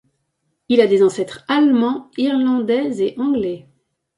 Il a des ancêtres allemands, irlandais et anglais.